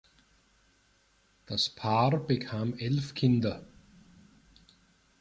Das Paar bekam elf Kinder.